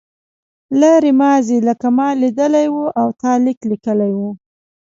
لرې ماضي لکه ما لیدلې وه او تا لیک لیکلی و.